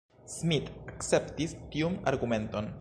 Smith akceptis tiun argumenton.